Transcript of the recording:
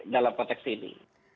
dalam konteks ini